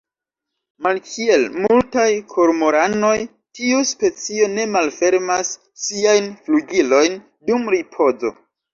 Malkiel multaj kormoranoj, tiu specio ne malfermas siajn flugilojn dum ripozo.